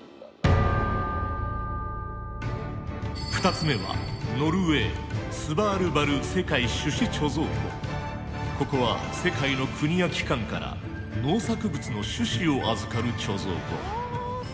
２つ目はノルウェーここは世界の国や機関から農作物の種子を預かる貯蔵庫。